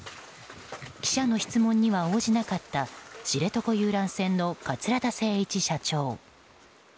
記者の質問には応じなかった知床遊覧船の桂田精一社長。